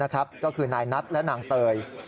ก็คือนายนัทและนางเตย